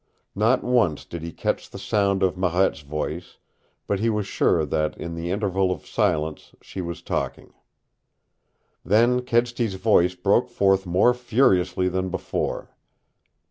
Not once did he catch the sound of Marette's voice, but he was sure that in the interval of silence she was talking. Then Kedsty's voice broke forth more furiously than before.